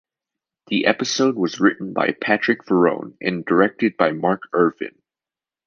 The episode was written by Patric Verrone and directed by Mark Ervin.